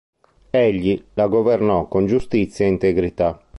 Egli la governò con giustizia ed integrità.